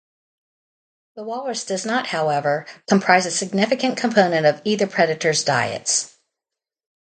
The walrus does not, however, comprise a significant component of either predator's diets.